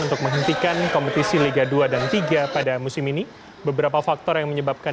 untuk menghentikan kompetisi liga dua dan tiga pada musim ini beberapa faktor yang menyebabkan